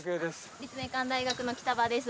立命館大学の北場です